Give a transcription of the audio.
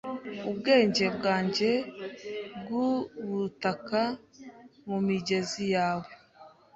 ubwenge bwanjye bwubutaka mumigezi yawe